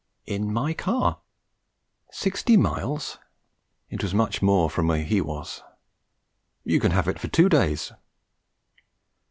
'In my car.' 'Sixty miles!' (It was much more from where he was.) 'You can have it for two days.'